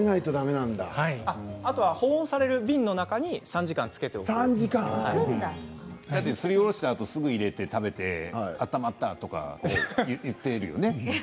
あとは保温される瓶の中にすりおろしたあとすぐ入れて食べて温まったとか言っているよね。